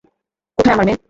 কোথায় আমার মেয়ে?